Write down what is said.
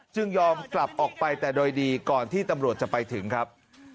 ยอมกลับออกไปแต่โดยดีก่อนที่ตำรวจจะไปถึงครับ